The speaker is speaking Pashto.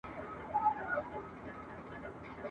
زه په خپل جنون کي خوښ یم زولنې د عقل یوسه ..